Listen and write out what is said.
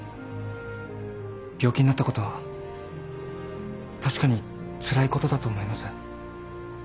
病気になったことは確かにつらいことだと思います。